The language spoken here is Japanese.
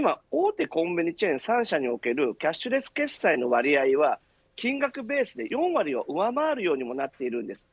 今、大手コンビニチェーン３社におけるキャッシュレス決済の割合は金額ベースで４割を上回るようになっているんです。